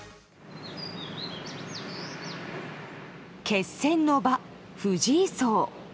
決戦の場、藤井荘。